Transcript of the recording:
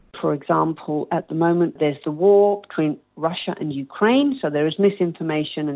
pemeriksaan itu juga bergantung pada perang